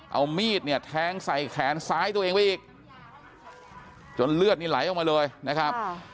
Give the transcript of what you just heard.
เอามีดเนี่ยแทงใส่แขนซ้ายตัวเองไปอีกจนเลือดนี่ไหลออกมาเลยนะครับ